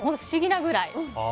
不思議なぐらい。